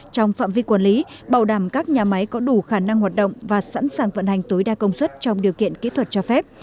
trong phạm vi quản lý bảo đảm các nhà máy có đủ khả năng hoạt động và sẵn sàng vận hành tối đa công suất trong điều kiện kỹ thuật cho phép